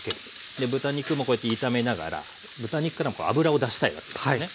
で豚肉もこうやって炒めながら豚肉からも脂を出したいわけですよね。